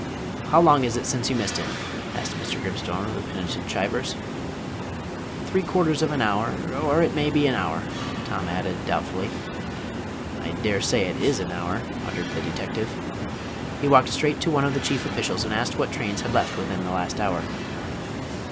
"How long is it since you missed him?" asked Mr. Grimstone of the penitent Chivers. "Three quarters of a hour, or it may be a hour," Tom added, doubtfully. "I dare say it is an hour," muttered the detective. He walked straight to one of the chief officials, and asked what trains had left within the last hour.